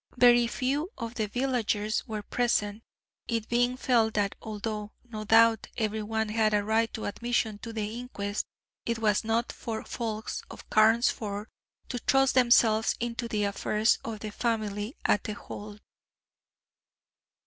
Very few of the villagers were present, it being felt that although, no doubt, every one had a right to admission to the inquest, it was not for folks at Carnesford to thrust themselves into the affairs of the family at The Hold.